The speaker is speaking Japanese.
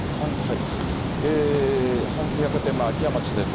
阪急百貨店前、秋山記者です。